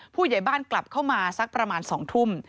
ผู้ใหญ่บ้านกลับเข้ามาสักประมาณ๒ทุ่ม